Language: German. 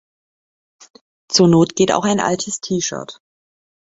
Zur Not geht auch ein altes T-shirt.